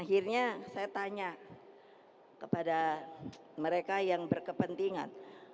akhirnya saya tanya kepada mereka yang berkepentingan